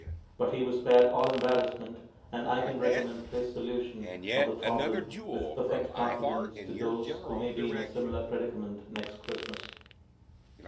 But he was spared all embarrassment; and I can recommend his solution of the problem with perfect confidence to those who may be in a similar predicament next Christmas.